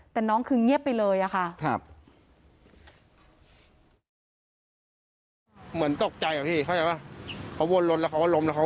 แต่น้องคือเงียบไปเลยอะค่ะ